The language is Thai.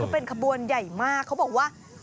เป็นขบวนใหญ่มากเขาบอกว่า